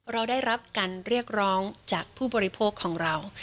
เราได้รับการเรียกร้องจากผู้บริโภคของเรา